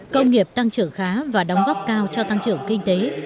công nghiệp tăng trưởng khá và đóng góp cao cho tăng trưởng kinh tế